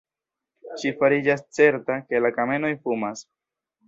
Ŝi fariĝas certa, ke la kamenoj fumas.